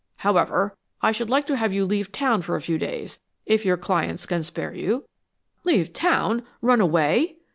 However, I should like to have you leave town for a few days, if your clients can spare you." "Leave town? Run away?"